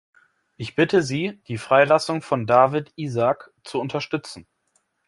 Ich bitte Sie, die Freilassung von Dawit Isaak zu unterstützen.